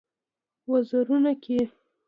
وزرونو کې